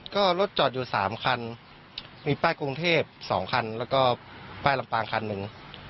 ก็รถจอดอยู่๓คันมีป้ายกรุงเทพ๒คันแล้วก็ป้ายลำปางคันหนึ่ง